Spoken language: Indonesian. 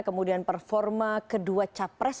kemudian performa kedua capres